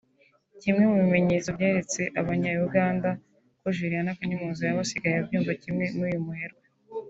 Kimwe mu bimenyetso byeretse abanya-Uganda ko Juliana Kanyomozi yaba asigaye abyumva kimwe n’uyu muherwe